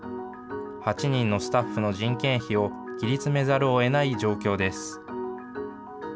８人のスタッフの人件費を切り詰めざるをえない状況です。